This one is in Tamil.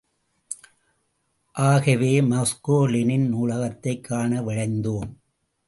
ஆகவே, மாஸ்கோ லெனின் நூலகத்தைக் காண விழைந்தோம்.